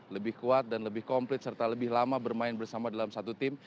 lebih kuat dan lebih komplit serta lebih lama bermain bersama dalam satu tim